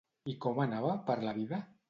I com anava, per la vida?